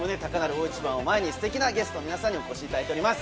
大一番を前にステキなゲストの皆さんにお越しいただいています。